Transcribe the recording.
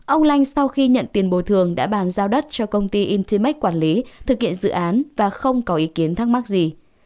ông lanh sau khi nhận tiền bồi thường đã bàn giao đất cho công ty intermax quản lý thực hiện dự án và không có ý kiến thắc mắc gì